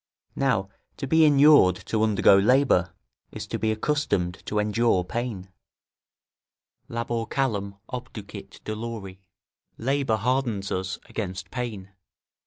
Now to be inured to undergo labour, is to be accustomed to endure pain: "Labor callum obducit dolori." ["Labour hardens us against pain."